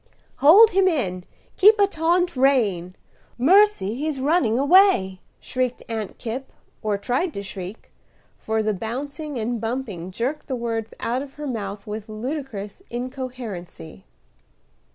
"Hold him in! Keep a taut rein! Lord 'a mercy, he's running away!" shrieked Aunt Kipp, or tried to shriek, for the bouncing and bumping jerked the words out of her mouth with ludicrous incoherency.